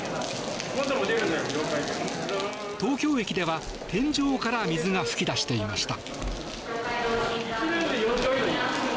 東京駅では、天井から水が噴き出していました。